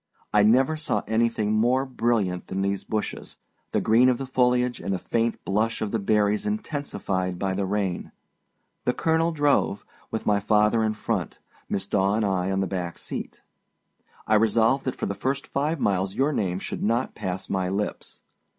I never saw anything more brilliant than these bushes, the green of the foliage and the faint blush of the berries intensified by the rain. The colonel drove, with my father in front, Miss Daw and I on the back seat. I resolved that for the first five miles your name should not pass my lips.